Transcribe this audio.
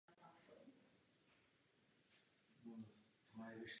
Byl členem výboru pro imigraci a absorpci a výboru pro zahraniční záležitosti a obranu.